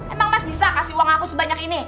emang mas bisa kasih uang aku sebanyak ini